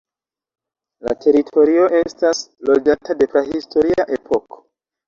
La teritorio estas loĝata de prahistoria epoko.